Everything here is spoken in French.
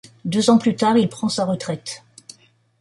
Deux ans plus tard, il prend sa retraite.